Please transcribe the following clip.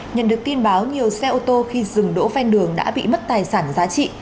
nhận được tin báo nhiều xe ô tô khi dừng đỗ ven đường đã bị mất tài sản giá trị